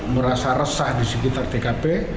merasa resah di sekitar tkp